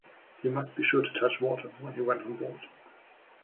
He must be sure to touch water when he went on board.